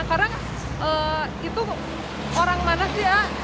karena itu orang mana sih ah